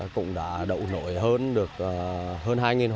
cũng đã đậu nổi hơn hai hồ